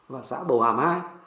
và xã bầu hàm hai